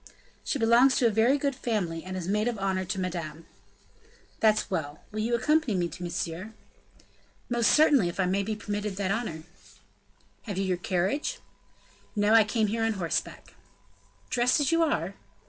"She belongs to a very good family and is maid of honor to Madame." "That's well. Will you accompany me to Monsieur?" "Most certainly, if I may be permitted the honor." "Have you your carriage?" "No; I came here on horseback." "Dressed as you are?"